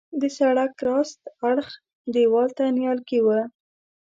د سړک راست اړخ دیوال ته نیالګي وه.